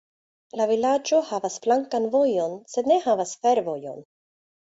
La vilaĝo havas flankan vojon sed ne havas fervojon.